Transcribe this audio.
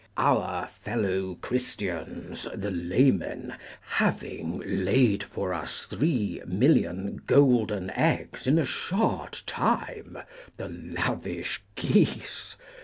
Our fellow Christians, the laymen, having laid for us three million golden eggs in a short time (the lavish geese!)